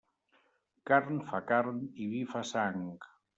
Carn fa carn i vi fa sang.